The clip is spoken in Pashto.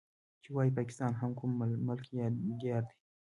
چې ووايي پاکستان هم کوم ملک يا ديار دی.